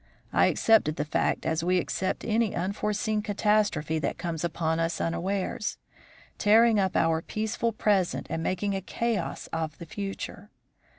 I accepted the fact as we accept any unforeseen catastrophe that comes upon us unawares, tearing up our peaceful present and making a chaos of the future.